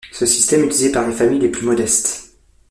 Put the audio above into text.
Ce système est utilisé par les familles les plus modestes.